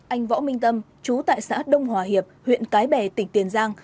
anh võ minh tâm chú tại xã đông hòa hiệp huyện cái bè tỉnh tiền giang